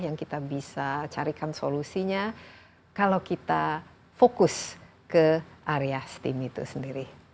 yang kita bisa carikan solusinya kalau kita fokus ke area steam itu sendiri